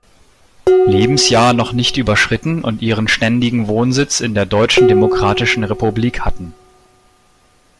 Lebensjahr noch nicht überschritten und ihren ständigen Wohnsitz in der Deutschen Demokratischen Republik hatten.